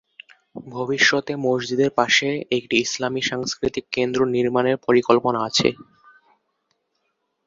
ভবিষ্যতে মসজিদের পাশে একটি ইসলামী সাংস্কৃতিক কেন্দ্র নির্মাণের পরিকল্পনা আছে।